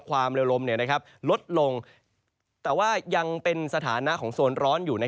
ความเร็วลมลดลงแต่ว่ายังเป็นสถานะของโซนร้อนอยู่